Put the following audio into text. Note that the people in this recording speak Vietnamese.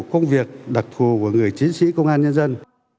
công việc đặc thù của người chiến sĩ công an nhân dân